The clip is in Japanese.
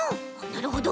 なるほど！